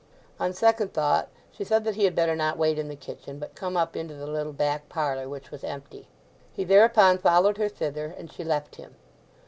On second thought she said that he had better not wait in the kitchen, but come up into the little back parlour, which was empty. He thereupon followed her thither, and she left him.